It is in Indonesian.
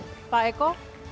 terima kasih pak eko